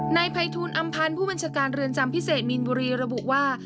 นายภัยทูลอำพันธ์ผู้บัญชาการเรือนจำพิเศษมีนบุรีระบุว่า